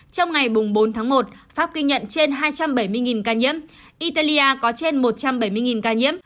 trong ngày bốn tháng một pháp ghi nhận trên hai trăm bảy mươi ca nhiễm italia có trên một trăm bảy mươi ca nhiễm